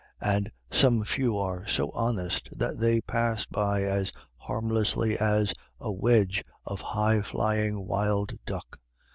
And some few are so honest that they pass by as harmlessly as a wedge of high flying wild duck.